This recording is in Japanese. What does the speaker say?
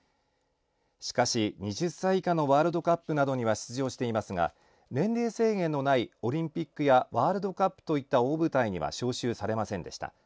しかし２０歳以下のワールドカップなどには出場していますが年齢制限のないオリンピックやワールドカップといった大舞台には招集されませんでした。